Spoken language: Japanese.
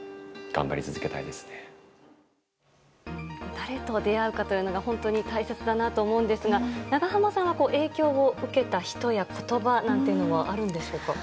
誰と出会うかというのが本当に大切だなと思うんですが長濱さんは影響を受けた人や言葉なんてあるんでしょうか？